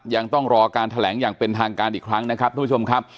ยังต้องรอการแถลงอย่างเป็นทางการอีกครั้งนะครับทุกผู้ชมครับ